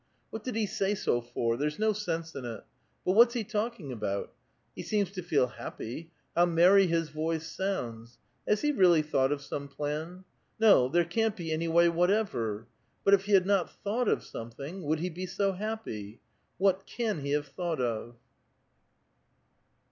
What did he say so for? There's no sense in it. But what's he talking about? He seems to feel happy. How merry his voice sounds ! Has he really thought of some plan? No, there can't be any way what ever. But if he had not thought of something, would he be BO happy ? What can he have thought of